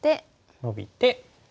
ノビて。